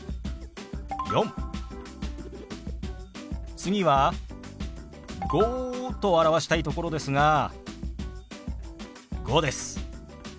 次は「５」と表したいところですが「５」です。